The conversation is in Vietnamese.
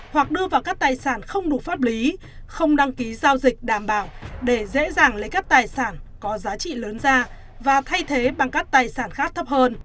hoặc đưa vào các tài sản không đủ pháp lý không đăng ký giao dịch đảm bảo để dễ dàng lấy các tài sản có giá trị lớn ra và thay thế bằng các tài sản khác thấp hơn